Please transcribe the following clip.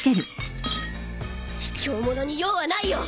ひきょう者に用はないよ。